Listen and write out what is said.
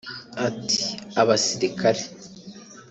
Ati “Abasirikare